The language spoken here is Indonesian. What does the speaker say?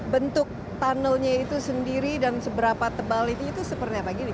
bentuk tunnelnya itu sendiri dan seberapa tebal itu seperti apa gini